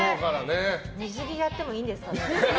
水着でやってもいいんですかね？